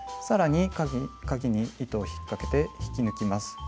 さらにかぎに糸を引っかけて引き抜きます。